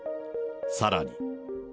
さらに。